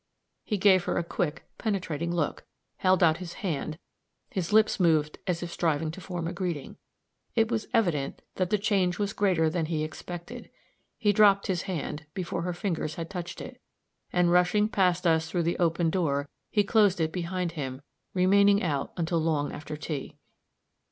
He gave her a quick, penetrating look, held out his hand, his lips moved as if striving to form a greeting. It was evident that the change was greater than he expected; he dropped his hand, before her fingers had touched it, and rushing past us through the open door, he closed it behind him, remaining out until long after tea.